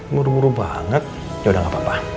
muru muru banget ya udah gak apa apa